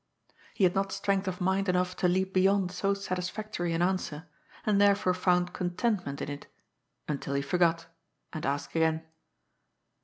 He had not strength of mind enough to leap beyond so satisfactory an answer, and therefore found contentment in it, until he forgot — and asked again.